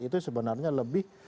itu sebenarnya lebih